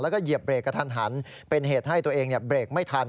แล้วก็เหยียบเบรกกระทันหันเป็นเหตุให้ตัวเองเบรกไม่ทัน